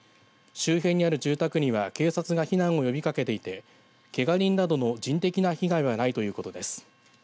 周辺にある住宅には警察が避難を呼びかけていてけが人などの人的な被害はないということです。